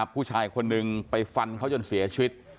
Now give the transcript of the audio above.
ผู้ชายคนหนึ่งไปฟันเขาจนเสียชีวิต